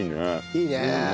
いいねえ。